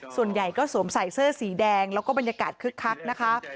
ส่วนใหญ่ก็สวมใส่เสื้อสีแดงแล้วก็บรรยากาศคึกคักนะคะ